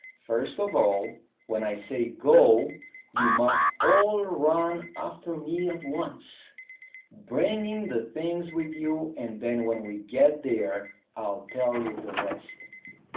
"First of all, when I say 'Go,' you must all run after me at once, bringing the things with you, and then when we get there I'll tell you the rest."